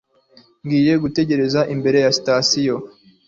Ngiye gutegereza imbere ya sitasiyo.